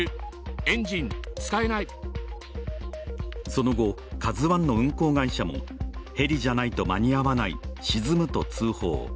その後、「ＫＡＺＵⅠ」の運航会社もヘリじゃないと間に合わない、沈むと通報。